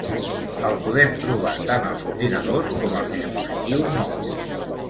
El podem trobar tant als ordinadors com als dispositius mòbils.